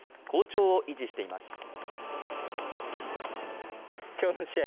好調を維持しています。